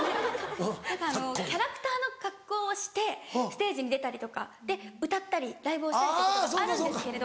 あのキャラクターの格好をしてステージに出たりとか歌ったりライブをしたりってことがあるんですけれど。